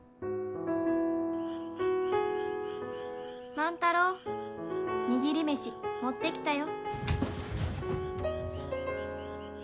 ・万太郎握り飯持ってきたよ。